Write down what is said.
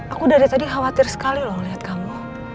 aku dari tadi khawatir sekali loh ngeliat kamu